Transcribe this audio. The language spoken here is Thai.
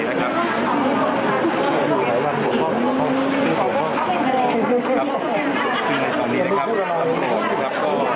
เลยได้เป็นอีกฟอร์เจอร์ของสำรวจนะครับมาจากที่มหาละครนะครับ